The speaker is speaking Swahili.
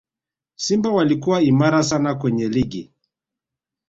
simba walikuwa imara sana kwenye ligi